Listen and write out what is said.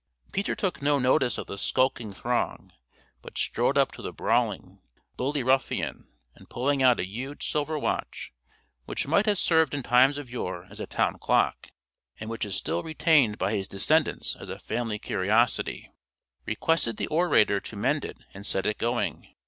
Peter took no notice of the skulking throng, but strode up to the brawling, bully ruffian, and pulling out a huge silver watch, which might have served in times of yore as a town clock, and which is still retained by his descendants as a family curiosity, requested the orator to mend it and set it going.